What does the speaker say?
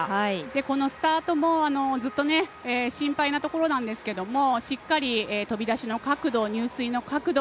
このスタートもずっと心配なところなんですけどしっかり、飛び出しの角度入水の角度